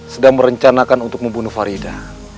sedang merencanakan untuk membunuh farida